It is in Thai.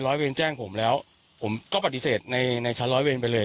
เวรแจ้งผมแล้วผมก็ปฏิเสธในในชั้นร้อยเวรไปเลย